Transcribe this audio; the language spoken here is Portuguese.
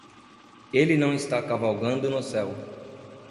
Ele não está cavalgando no céu.